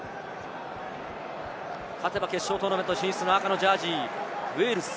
勝てば決勝トーナメント進出が赤のジャージー、ウェールズ。